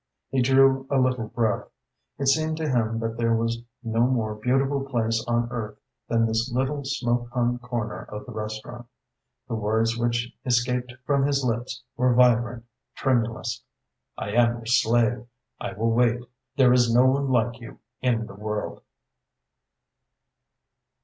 He drew a little breath. It seemed to him that there was no more beautiful place on earth than this little smoke hung corner of the restaurant. The words which escaped from his lips were vibrant, tremulous. "I am your slave. I will wait. There is no one like you in the world."